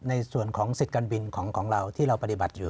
ในส่วนของสิทธิ์การบินของเราที่เราปฏิบัติอยู่